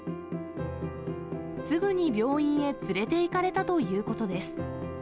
すぐに病院へ連れていかれたということです。